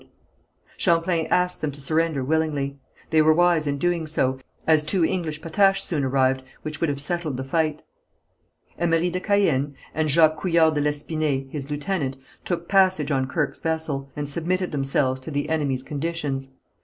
Champlain asked them to surrender willingly. They were wise in doing so, as two English pataches soon arrived which would have settled the fight. Emery de Caën, and Jacques Couillard de l'Espinay, his lieutenant, took passage on Kirke's vessel, and submitted themselves to the enemy's conditions.